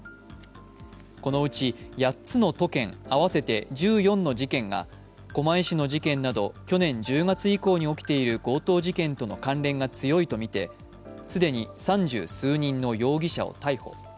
このうち８つの都県、合わせて１４の事件が狛江市の事件など、去年１０月以降に起きている、強盗事件との関連が強いとみて既に三十数人の容疑者を逮捕。